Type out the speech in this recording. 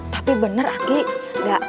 tapi benar tuhan